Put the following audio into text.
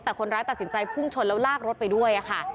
แต่คนร้ายตัดสินใจพุ่งชนแล้วลากรถไปด้วยค่ะ